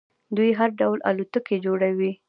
دوی هر ډول الوتکې جوړوي.